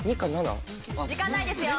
時間ないですよ。